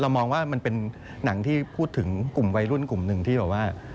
มองว่ามันเป็นหนังที่พูดถึงกลุ่มวัยรุ่นกลุ่มหนึ่งที่แบบว่า